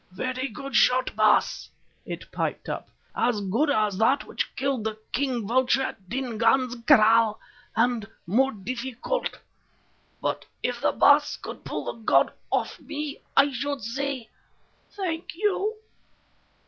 "Very good shot, Baas," it piped up, "as good as that which killed the king vulture at Dingaan's kraal, and more difficult. But if the Baas could pull the god off me I should say Thank you."